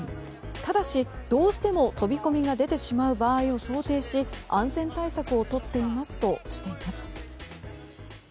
ただし、どうしても飛び込みが出てしまう場合を想定し安全対策を取っていますとしています。